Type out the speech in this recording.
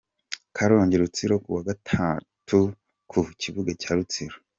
Karongi-Rutsiro : Kuwa Gatatu ku kibuga cya Rutsiro.